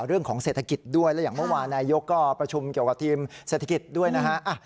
เรื่องของเศรษฐกิจด้วยและอย่างเมื่อวานนายกก็ประชุมเกี่ยวกับทีมเศรษฐกิจด้วยนะฮะ